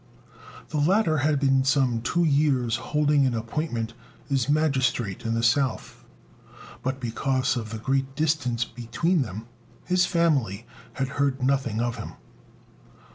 The latter had been some two years holding an appointment as magistrate in the south; but because of the great distance between them, his family had heard nothing of him.